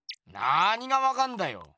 なにがわかんだよ？